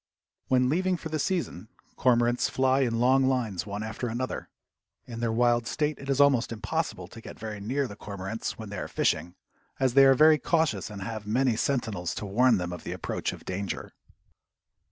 When leaving for the season cormorants fly in long lines one after another. In their wild state it is almost impossible to get very near the cormorants when they are fishing, as they are very cautious and have many sentinels to warn them of the approach of danger.